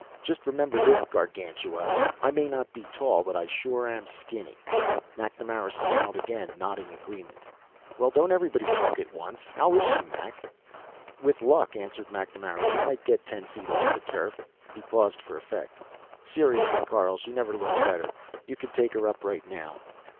Just remember this, Gargantua; I may not be tall, but I sure am skinny." MacNamara smiled again, nodding agreement. "Well, don't everybody talk at once. How is she, Mac?" "With luck," answered MacNamara, "we might get ten feet off the turf." He paused for effect. "Seriously, Carl, she never looked better. You could take her up right now.